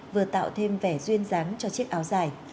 vừa tạo thêm vẻ duyên dáng cho chiếc áo dài